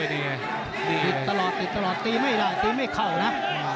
ติดตลอดติดตลอดตีไม่ได้ตีไม่เข่านะ